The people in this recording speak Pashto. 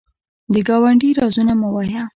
د ګاونډي رازونه مه وایه